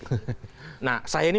itu kalau berarti